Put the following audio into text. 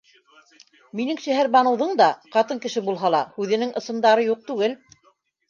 Минең Шәһәрбаныуҙың да, ҡатын кеше булһа ла, һүҙенең ысындары юҡ түгел.